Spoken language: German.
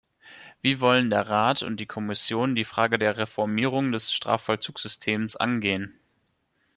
Wie wollen der Rat und die Kommission die Frage der Reformierung des Strafvollzugssystems angehen?